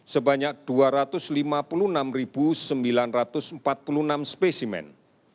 sebanyak dua ratus lima puluh enam sembilan ratus empat puluh enam spesimen